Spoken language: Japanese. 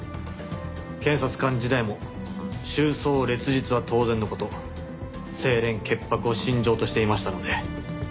検察官時代も秋霜烈日は当然の事清廉潔白を信条としていましたので。